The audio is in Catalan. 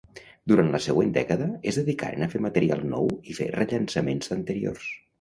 Durant la següent dècada es dedicaren a fer material nou i fer rellançaments d'anteriors.